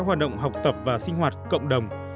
hoạt động học tập và sinh hoạt cộng đồng